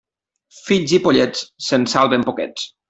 Fills i pollets, se'n salven poquets.